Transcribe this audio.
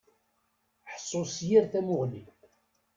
Ḥṣu s yir tamuɣli.